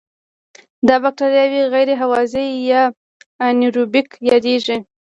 دا بکټریاوې غیر هوازی یا انئیروبیک یادیږي.